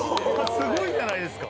すごいじゃないですか。